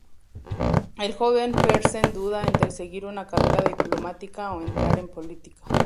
El joven Fersen duda entre seguir una carrera diplomática o entrar en política.